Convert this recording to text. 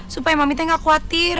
supaya mami tak khawatir